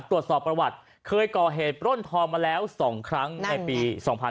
ตรวจสอบประวัติเคยก่อเหตุปล้นทองมาแล้ว๒ครั้งในปี๒๕๕๙